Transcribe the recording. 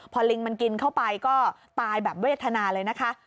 พอลิงมันกินเข้าไปก็ตายแบบเวทนาเลยนะคะ